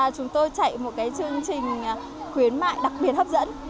chúng tôi chạy một chương trình khuyến mại đặc biệt hấp dẫn